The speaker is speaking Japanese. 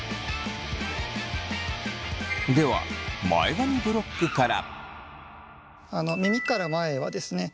では前髪ブロックから。